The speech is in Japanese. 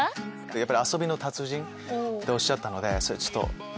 やっぱり遊びの達人っておっしゃったのでちょっと。